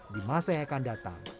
di masa yang akan datang